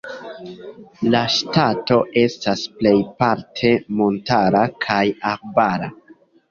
La ŝtato estas plejparte montara kaj arbara.